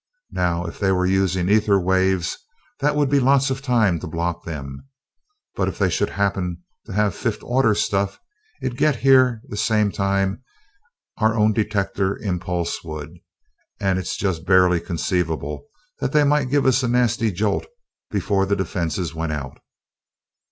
Now if they were using ether waves, that would be lots of time to block them, but if they should happen to have fifth order stuff it'd get here the same time our own detector impulse would, and it's just barely conceivable that they might give us a nasty jolt before the defenses went out.